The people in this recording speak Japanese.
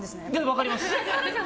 分かります！